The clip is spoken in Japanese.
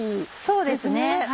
そうですね。